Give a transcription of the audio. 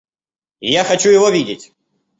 Я хочу его видеть.